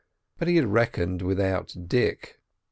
But he had reckoned without Dick.